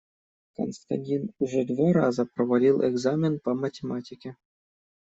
Константин уже два раза провалил экзамен по математике.